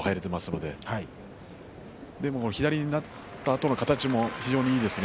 でも左になったあとの形も非常にいいですね。